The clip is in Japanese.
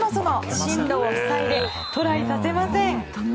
進路を塞いでトライさせません。